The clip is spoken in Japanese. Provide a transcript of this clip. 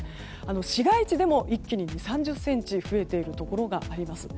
市街地でも一気に２０３０ｃｍ増えているところがあります。